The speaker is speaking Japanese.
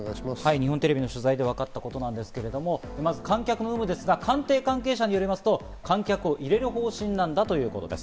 日本テレビの取材でわかったことですけど、観客の有無ですが、官邸関係者によりますと、観客を入れる方針だということです。